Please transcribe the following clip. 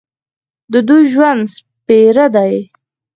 د دوی ژوند سپېره دی.